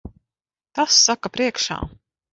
Tas saka priekšā.